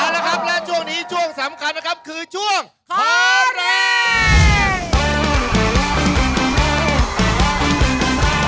เอาละครับและช่วงนี้ช่วงสำคัญนะครับคือช่วงขอแรง